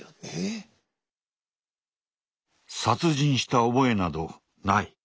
殺人した覚えなどない。